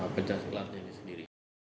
penjaga kelas jenis sendiri